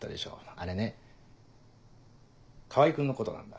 あれね川合君のことなんだ。